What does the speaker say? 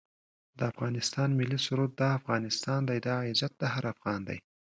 د افغانستان ملي سرود دا افغانستان دی دا عزت هر افغان دی